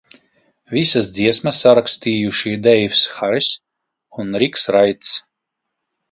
Visas dziesmas sarakstījuši Deivs Hariss un Riks Raits.